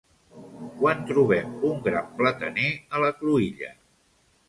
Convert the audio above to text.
quan trobem un gran plataner a la cruïlla